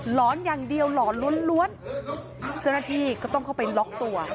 หอนอย่างเดียวหลอนล้วนเจ้าหน้าที่ก็ต้องเข้าไปล็อกตัว